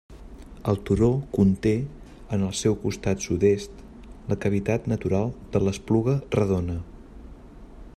El turó conté, en el seu costat sud-est, la cavitat natural de l'Espluga Redona.